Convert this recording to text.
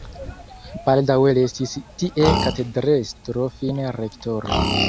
Baldaŭe li estis tie katedrestro, fine rektoro.